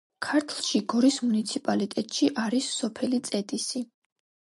ქართლში, გორის მუნიციპალიტეტში არის სოფელი წედისი.